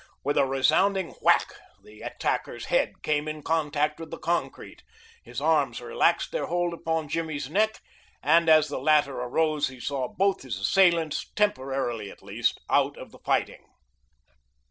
With a resounding whack the attacker's head came in contact with the concrete, his arms relaxed their hold upon Jimmy's neck, and as the latter arose he saw both his assailants, temporarily at least, out of the fighting.